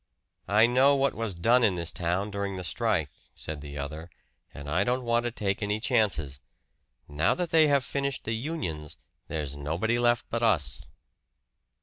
"I know what was done in this town during the strike," said the other, "and I don't want to take any chances. Now that they have finished the unions, there's nobody left but us."